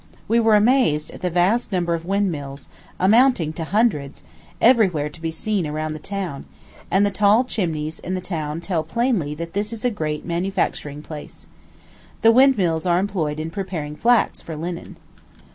We were amazed at the vast number of windmills amounting to hundreds every where to be seen around the town; and the tall chimneys in the town tell plainly that this is a great manufacturing place. The windmills are employed in preparing flax for linen.